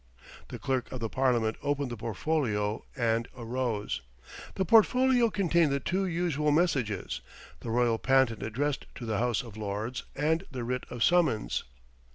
The Clerk of the Parliament opened the portfolio, and arose. The portfolio contained the two usual messages the royal patent addressed to the House of Lords, and the writ of summons.